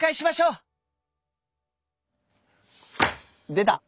出た。